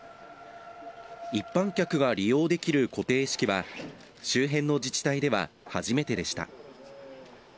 一般客が利用できる固定式は周辺の自治体では初めてでした。